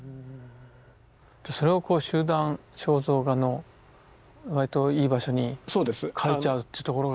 それをこう集団肖像画のわりといい場所に描いちゃうってところが。